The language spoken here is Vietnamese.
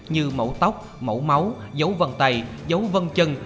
như mẫu tóc mẫu máu dấu vân tay dấu vân chân